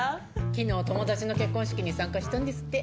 昨日友達の結婚式に参加したんですって。